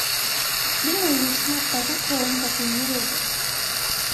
Думаю, ёсць шмат таго, чаго мы пакуль не ведаем.